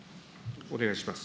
お願いします。